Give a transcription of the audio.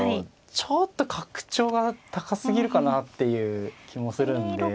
ちょっと格調が高すぎるかなっていう気もするんで。